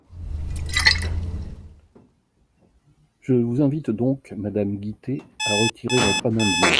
Je vous invite donc, madame Guittet, à retirer votre amendement.